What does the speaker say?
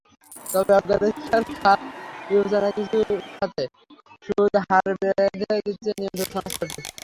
তবে অগ্রাধিকার খাত বিবেচনায় কিছু খাতে সুদ হার বেঁধে দিচ্ছে নিয়ন্ত্রক সংস্থাটি।